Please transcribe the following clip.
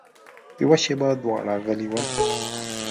يوه شېبه دواړه غلي ول.